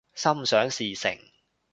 心想事成